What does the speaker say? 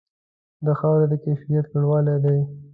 د خاورې د کیفیت لوړوالې دی.